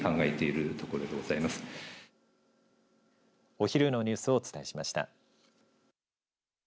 お昼のニュースをお伝えしました。